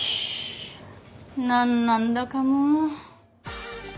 なんなんだかもう。